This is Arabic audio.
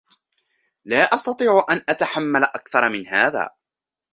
لا أستطيع أن أتحمل أكثر من هذا.